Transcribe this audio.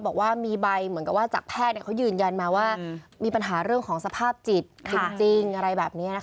บอกว่ามีใบเหมือนกับว่าจากแพทย์เขายืนยันมาว่ามีปัญหาเรื่องของสภาพจิตจริงอะไรแบบนี้นะคะ